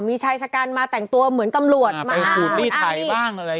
มีชายชะกันมาแต่งตัวเหมือนตำรวจมาไปสูบรีไทยบ้างอะไรอย่างนี้